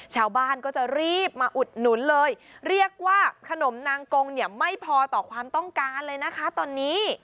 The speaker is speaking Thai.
ชาวบ้านก็จะรีบมาอุดหนุนเลยเรียกว่าขนมนางกงเนี่ยไม่พอต่อความต้องการเลยนะคะตอนนี้